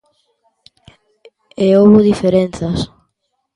E houbo diferenzas.